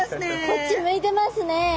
こっち向いてますね。